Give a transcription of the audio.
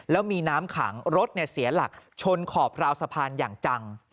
แล้วมีน้ำขังรถเสียหลักชนขอบราวสะพานอย่างจัง